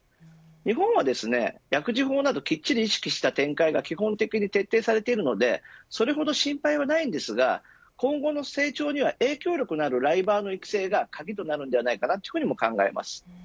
日本はですね、薬事法などきっちり意識した展開が基本的に徹底されているのでそれほど心配はないんですが今後の成長には影響力のあるライバーの育成が鍵となるんではないかと考えます。